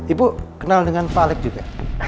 ibu kenal dengan pak alec juga